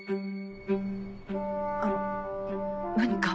あの何か？